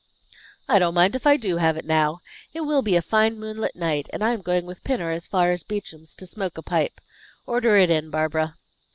"I don't mind if I do have it now. It will be a fine moonlight night and I am going with Pinner as far as Beauchamp's to smoke a pipe. Order it in, Barbara."